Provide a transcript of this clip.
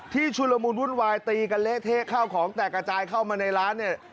ชุลมุนวุ่นวายตีกันเละเทะข้าวของแตกกระจายเข้ามาในร้านเนี่ย